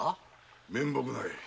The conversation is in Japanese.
面目ない。